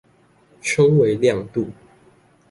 稱為亮度